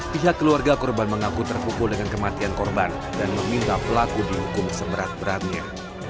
pihak keluarga korban mengaku terpukul dengan kematian korban dan meminta pelaku dihukum seberat beratnya